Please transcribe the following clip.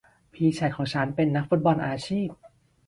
พี่ชายของฉันเป็นนักฟุตบอลอาชีพ